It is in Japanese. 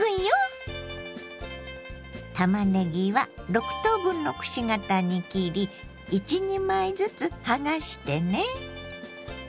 たまねぎは６等分のくし形に切り１２枚ずつはがしてね。